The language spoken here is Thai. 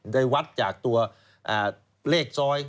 ได้วัดจากตัวเลขซอย